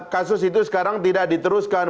kasus itu sekarang tidak diteruskan